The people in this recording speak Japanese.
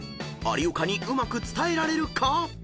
有岡にうまく伝えられるか］